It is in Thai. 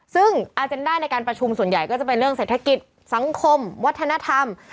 ซึ่งอาเจนด้าในการประชุมส่วนใหญ่ก็จะเป็นเรื่องเศรษฐกิจสังคมวัฒนธรรม